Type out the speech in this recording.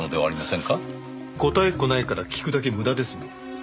答えっこないから聞くだけ無駄ですもん。